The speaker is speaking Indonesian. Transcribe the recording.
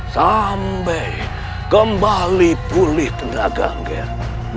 sampai kembali pulih tenaga enggak